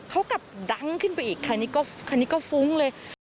เขากลับดังขึ้นไปอีกคันนี้ก็ฟุ้งเลย